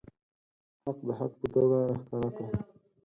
حق د حق په توګه راښکاره کړه.